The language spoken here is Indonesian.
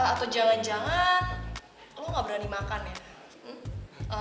atau jangan jangan lo gak berani makan ya